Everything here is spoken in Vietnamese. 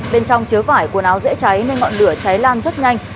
bên trong chứa vải quần áo dễ cháy nên ngọn lửa cháy lan rất nhanh